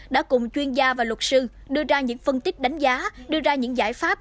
đã cùng chuyên gia và luật sư đưa ra những phân tích đánh giá đưa ra những giải pháp